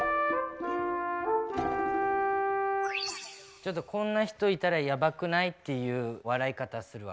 ちょっとこんな人いたらやばくない？っていう笑い方するわ。